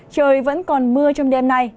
trời vẫn còn mưa trong đêm nay